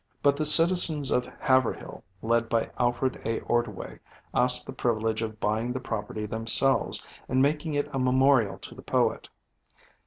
But the citizens of Haverhill, led by Alfred A. Ordway, asked the privilege of buying the property themselves, and making it a memorial to the poet.